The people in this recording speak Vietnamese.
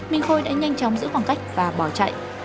minh khôi đã nhanh chóng giữ khoảng cách và bỏ chạy